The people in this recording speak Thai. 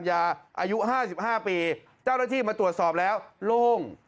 อายุ๕๕ปีเจ้าหน้าที่มาตรวจสอบแล้วโล่ง